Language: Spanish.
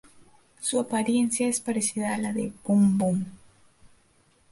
Su apariencia es parecida a la de Boom Boom.